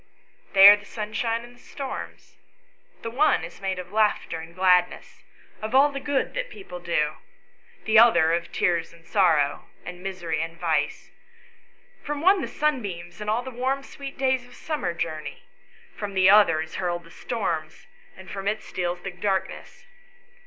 " They are the sunshine and the storms. The one is made of laughter and of gladness, of all the good that people do ; the other of tears and sorrow and misery and vice ; from the one the sunbeams and the warm sweet days of summer journey ; from the other is hurled the storms, and from it steals the darkness.